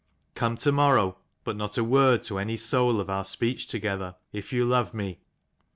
Come to morrow; but not a word to any soul of our speech together, if you love me."